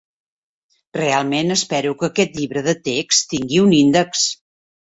Realment espero que aquest llibre de text tingui un índex.